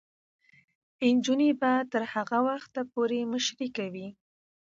نجونې به تر هغه وخته پورې مشري کوي.